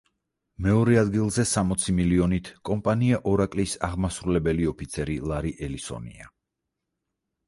მეორე ადგილზე სამოცი მილიონით კომპანია „ორაკლის“ აღმასრულებელი ოფიცერი ლარი ელისონია.